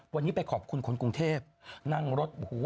วันนี้ไปขอบคุณคนกรุงเทพนั่งรถโอ้โห